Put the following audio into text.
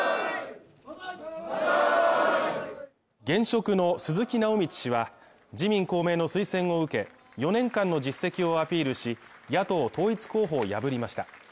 現職の鈴木直道氏は、自民公明の推薦を受け、４年間の実績をアピールし野党統一候補を破りました。